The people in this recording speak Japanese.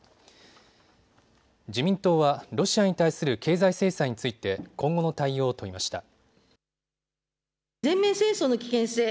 自民党はロシアに対する経済制裁について今後の対応を問いました。